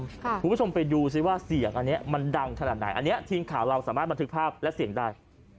คุณผู้ชมไปดูซิว่าเสียงอันนี้มันดังขนาดไหนอันนี้ทีมข่าวเราสามารถบันทึกภาพและเสียงได้